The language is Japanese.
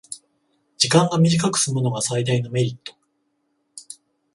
時間が短くすむのが最大のメリット